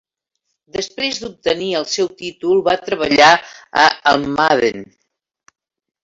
Després d'obtenir el seu títol va treballar a Almadén.